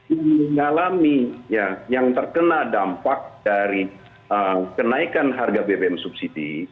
yang mengalami ya yang terkena dampak dari kenaikan harga bbm subsidi